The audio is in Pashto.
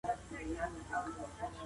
تاسو به د نورو په درد دردمن کیږئ.